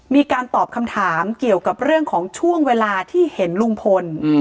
มีการตอบคำถามเกี่ยวกับเรื่องของช่วงเวลาที่เห็นลุงพล